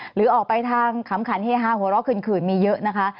หรือออกไปทางขำขันเฮฮาหัวเราะขื่นมีเยอะนะคะ